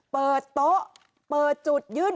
เปิดโต๊ะเปิดจุดยื่น